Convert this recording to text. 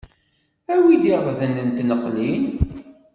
Awi-d iɣden n tneqlin.